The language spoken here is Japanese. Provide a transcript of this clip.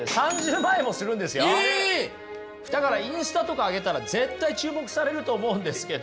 だからインスタとかあげたら絶対注目されると思うんですけど。